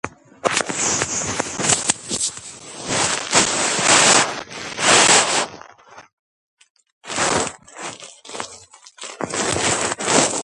აფხაზურ ხალხურ შემოქმედებაში, ზოგიერთი სხვა კავკასიელი ხალხის ფოლკლორის მსგავსად, განსაკუთრებული ადგილი უკავია ნართების ეპოსს.